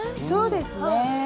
そうですね。